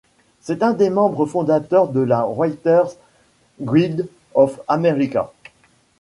C'est un des membres fondateurs de la Writers Guild of America.